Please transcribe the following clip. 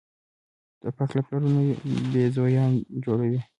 توپک له پلارونو بېزویان جوړوي.